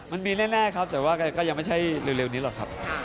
มันมีแน่ครับแต่ว่าก็ยังไม่ใช่เร็วนี้หรอกครับ